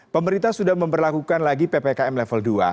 pemerintah sudah memperlakukan lagi ppkm level dua